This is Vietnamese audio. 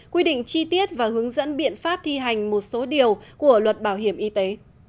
quy định chi tiết và hướng dẫn biện pháp thi hành một số điều của luật bảo hiểm y tế